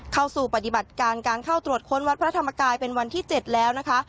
เข้าสู่ปฏิบัติการการเข้าตรวจค้นวัดพระธรรมกายเป็นวันที่๗แล้วนะคะ